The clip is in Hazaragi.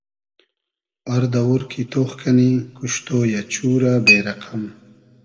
آر دئوور کی تۉخ کئنی کوشتۉ یۂ , چورۂ بې رئقئم